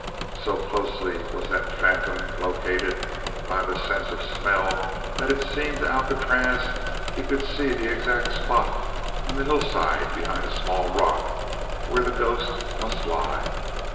So closely was that phantom located by the sense of smell that it seemed to Alcatraz he could see the exact spot on the hillside behind a small rock where the ghost must lie.